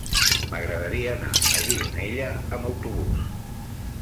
M'agradaria anar a Gironella amb autobús.